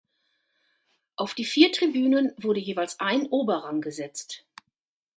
Auf die vier Tribünen wurde jeweils ein Oberrang gesetzt.